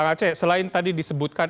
kang aceh selain tadi disebutkan